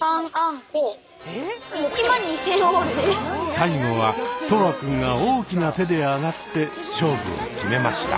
最後は大志君が大きな手であがって勝負を決めました。